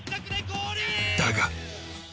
だが。